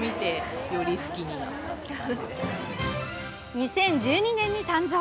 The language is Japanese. ２０１２年に誕生。